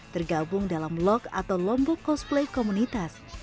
tergabung dalam log atau lombok cosplay komunitas